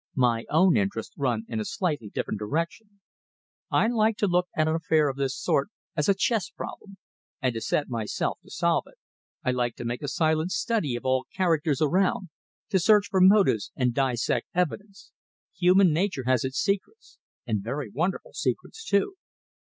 My own interests run in a slightly different direction. I like to look at an affair of this sort as a chess problem, and to set myself to solve it. I like to make a silent study of all the characters around, to search for motives and dissect evidence. Human nature has its secrets, and very wonderful secrets too."